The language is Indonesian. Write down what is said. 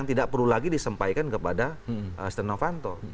itu lagi disampaikan kepada stenovanto